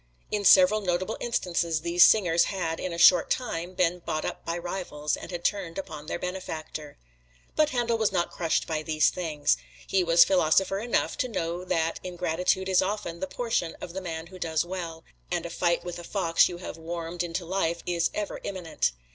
In several notable instances these singers had, in a short time, been bought up by rivals, and had turned upon their benefactor. But Handel was not crushed by these things. He was philosopher enough to know that ingratitude is often the portion of the man who does well, and a fight with a fox you have warmed into life is ever imminent.